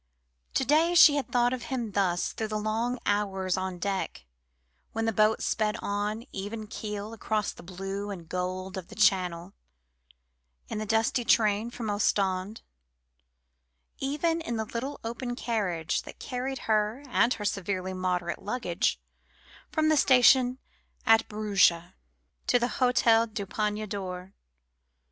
To day she had thought of him thus through the long hours on deck, when the boat sped on even keel across the blue and gold of the Channel, in the dusty train from Ostend even in the little open carriage that carried her and her severely moderate luggage from the station at Bruges to the Hôtel du Panier d'Or.